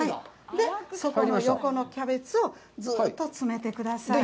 そこの横のキャベツをずうっと詰めてください。